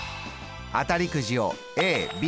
当たりくじをＡＢ。